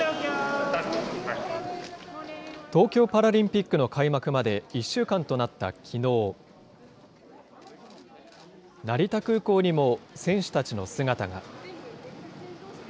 東京パラリンピックの開幕まで１週間となったきのう、成田空港にも選手たちの姿が。